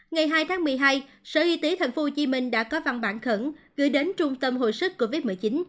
ngày hai tháng một mươi hai sở y tế tp hcm đã có văn bản khẩn gửi đến trung tâm hồi sức covid một mươi chín